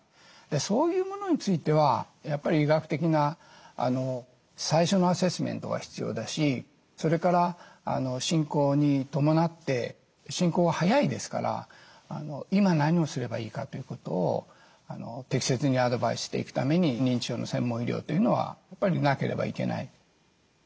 そういうものについてはやっぱり医学的な最初のアセスメントが必要だしそれから進行に伴って進行は早いですから今何をすればいいかということを適切にアドバイスしていくために認知症の専門医療というのはやっぱりなければいけない。